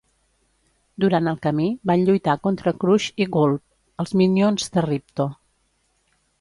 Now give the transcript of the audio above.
Durant el camí, van lluitar contra Crush i Gulp, els minions de Ripto.